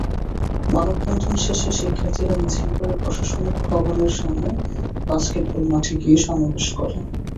মানববন্ধন শেষে শিক্ষার্থীরা মিছিল করে প্রশাসনিক ভবনের সামনে বাস্কেটবল মাঠে গিয়ে সমাবেশ করে।